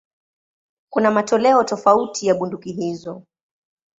Kuna matoleo tofauti ya bunduki hizo.